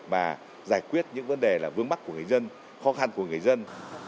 mà giải quyết những vấn đề là vương mắc của người dân khó khăn của người dân